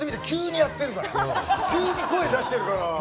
急に声、出してるから。